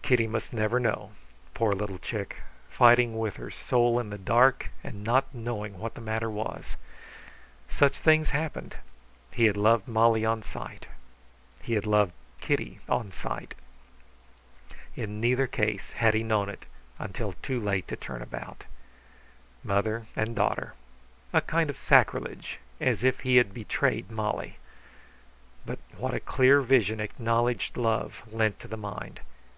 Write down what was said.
Kitty must never know. Poor little chick, fighting with her soul in the dark and not knowing what the matter was! Such things happened. He had loved Molly on sight. He had loved Kitty on sight. In neither case had he known it until too late to turn about. Mother and daughter; a kind of sacrilege, as if he had betrayed Molly! But what a clear vision acknowledged love lent to the mind!